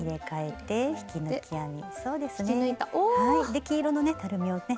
で黄色のねたるみをね